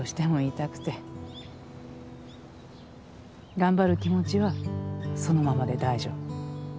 頑張る気持ちはそのままで大丈夫。